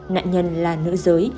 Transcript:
nạn nhân là nữ giới